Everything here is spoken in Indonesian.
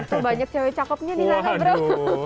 betul banyak cewek cakepnya di sana bro